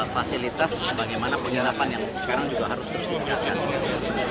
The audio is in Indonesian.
fasilitas bagaimana penyerapan yang sekarang juga harus disediakan